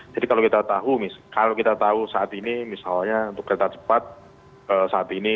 jadi kalau kita tahu saat ini misalnya untuk kereta cepat saat ini